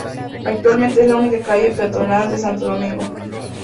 Actualmente es la única calle peatonal de Santo Domingo.